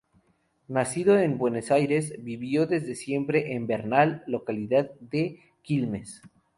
Nacido en Buenos Aires, vivió desde siempre en Bernal, localidad de Quilmes.